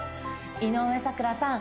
井上咲楽さん